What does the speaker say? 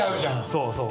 そうそう。